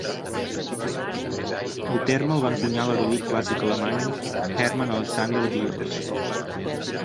El terme el va encunyar l'erudit clàssic alemany Hermann Alexander Diels.